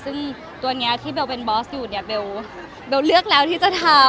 ซึ่งตัวนี้ที่เบลเป็นบอสอยู่เนี่ยเบลเลือกแล้วที่จะทำ